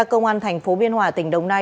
cơ quan thành phố biên hòa tỉnh đồng nai